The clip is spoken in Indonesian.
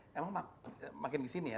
emang makin kesini ya